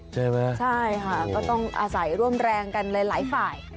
ใช่ไหมใช่ค่ะก็ต้องอาศัยร่วมแรงกันหลายฝ่าย